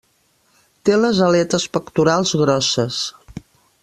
Té les aletes pectorals grosses.